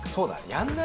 やらない。